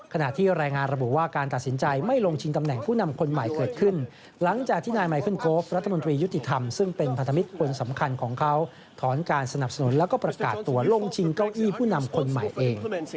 ขณะที่รายงานระบุว่าการตัดสินใจไม่ลงชิงตำแหน่งผู้นำคนใหม่เกิดขึ้นหลังจากที่นายไมเคิลโคฟรัฐมนตรียุติธรรมซึ่งเป็นพันธมิตรคนสำคัญของเขาถอนการสนับสนุนแล้วก็ประกาศตัวลงชิงเก้าอี้ผู้นำคนใหม่เอง